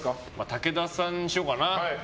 武田さんにしようかな。